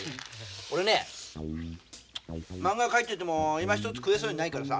俺ねまんが描いててもいまひとつ食えそうにないからさ